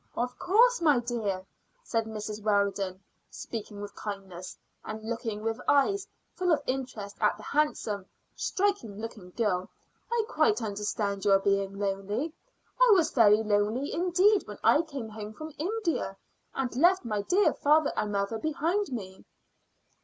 "Of course, my dear," said Mrs. Weldon, speaking with kindness, and looking with eyes full of interest at the handsome, striking looking girl. "I quite understand your being lonely. I was very lonely indeed when I came home from India and left my dear father and mother behind me."